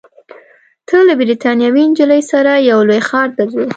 ته له بریتانوۍ نجلۍ سره یو لوی ښار ته ځې.